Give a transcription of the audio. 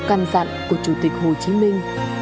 căn dặn của chủ tịch hồ chí minh